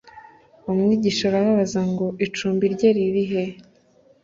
umwigisha arababaza ngo icumbi rye riri hehe